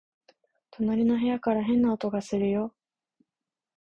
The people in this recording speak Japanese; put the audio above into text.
隣の部屋から変な音がするよ